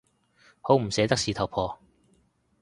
好唔捨得事頭婆